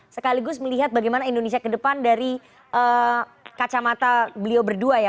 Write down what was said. sekaligus melihat bagaimana indonesia ke depan dari kacamata beliau berdua ya